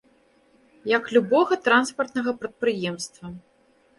Як любога транспартнага прадпрыемства.